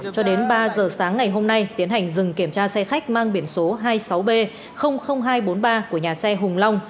cho đến ba giờ sáng ngày hôm nay tiến hành dừng kiểm tra xe khách mang biển số hai mươi sáu b hai trăm bốn mươi ba của nhà xe hùng long